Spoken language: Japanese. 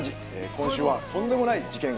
今週はとんでもない事件が起きます。